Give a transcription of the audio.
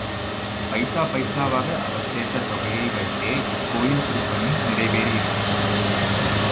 பைசா பைசாவாக அவர் சேர்த்த தொகையை வைத்தே இக்கோயில் திருப்பணி நிறைவேறி இருக்கிறது.